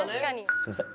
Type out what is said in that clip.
すみません